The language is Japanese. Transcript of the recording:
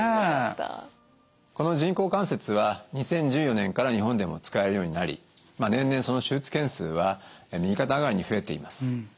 この人工関節は２０１４年から日本でも使えるようになり年々その手術件数は右肩上がりに増えています。